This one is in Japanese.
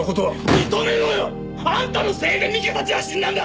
認めろよ！あんたのせいで美佳たちは死んだんだ！